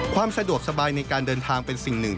ความสะดวกสบายในการเดินทางเป็นสิ่งหนึ่ง